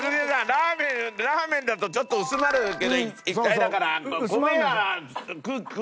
ラーメンラーメンだとちょっと薄まるけど液体だから。